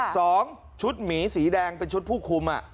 สองชุดหมีสีแดงเป็นชุดผู้คุม